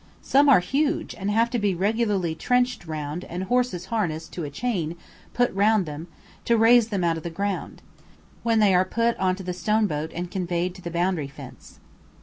Some are huge and have to be regularly trenched round and horses harnessed to a chain put round them to raise them out of the ground; when they are put on to the stone boat and conveyed to the boundary fence.